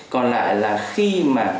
còn lại là khi mà